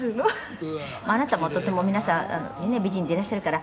あなたもとても皆さん美人でいらっしゃるから。